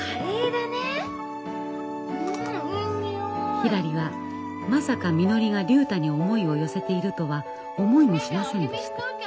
ひらりはまさかみのりが竜太に思いを寄せているとは思いもしませんでした。